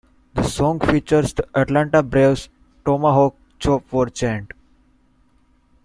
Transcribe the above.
The song features the Atlanta Braves Tomahawk Chop War Chant.